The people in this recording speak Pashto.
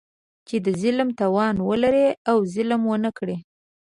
چې د ظلم توان ولري او ظلم ونه کړي.